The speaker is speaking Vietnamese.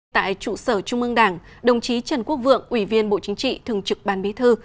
tại trụ sở trung ương đảng đồng chí trần quốc vượng ủy viên bộ chính trị thường trực ban bí thư